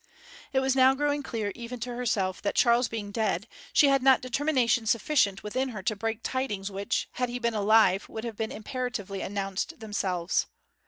It was now growing clear even to herself that Charles being dead, she had not determination sufficient within her to break tidings which, had he been alive, would have imperatively announced themselves.